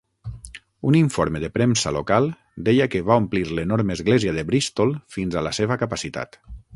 Un informe de premsa local deia que va omplir l'enorme església de Bristol fins a la seva capacitat.